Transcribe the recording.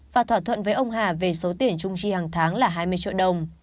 và thỏa thuận với ông hà về số tiền trung chi hàng tháng là hai mươi triệu đồng